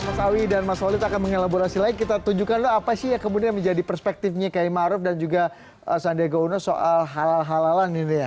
mas awi dan mas holid akan mengelaborasi lagi kita tunjukkan dulu apa sih yang kemudian menjadi perspektifnya kayak maruf dan juga sandiaga uno soal halal halalan ini ya